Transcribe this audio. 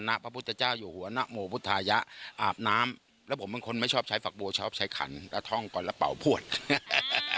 อาจจะเป็นยังไงไปฟังพี่ใจแอ้นเชิญอิ่มกันเลยค่ะ